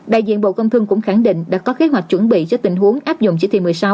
đại diện bộ công thương cũng khẳng định đã có kế hoạch chuẩn bị cho tình huống áp dụng chỉ thị một mươi sáu